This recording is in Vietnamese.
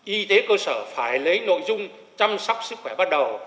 y tế cơ sở phải lấy nội dung chăm sóc sức khỏe ban đầu